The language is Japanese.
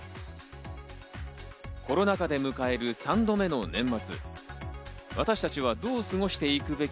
コロナ禍で迎える３度目の年末。